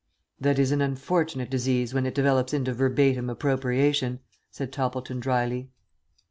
"That is an unfortunate disease when it develops into verbatim appropriation," said Toppleton, drily.